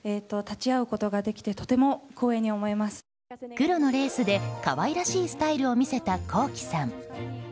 黒のレースで可愛らしいスタイルを見せたＫｏｋｉ，さん。